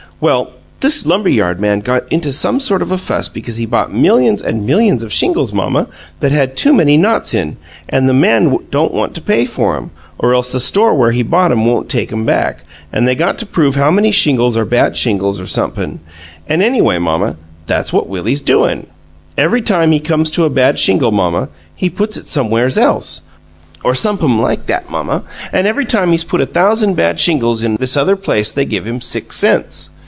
Well, this lumber yard man got into some sort of a fuss because he bought millions an' millions of shingles, mamma, that had too many knots in, an' the man don't want to pay for 'em, or else the store where he bought 'em won't take 'em back, an' they got to prove how many shingles are bad shingles, or somep'm, an' anyway, mamma, that's what Willie's doin'. Every time he comes to a bad shingle, mamma, he puts it somewheres else, or somep'm like that, mamma, an' every time he's put a thousand bad shingles in this other place they give him six cents.